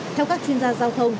theo các chuyên gia giao thông